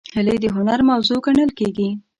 هیلۍ د هنر موضوع ګڼل کېږي